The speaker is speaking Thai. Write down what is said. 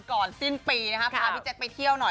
ก่อนสิ้นปีนะฮะพาพี่แจ๊คไปเที่ยวหน่อย